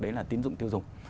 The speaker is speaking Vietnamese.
đấy là tín dụng tiêu dụng